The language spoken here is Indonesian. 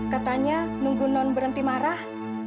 katanya nunggu non berhenti marah